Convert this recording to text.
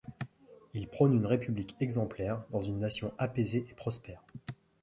Il prône une république exemplaire, dans une nation apaisée et prospère.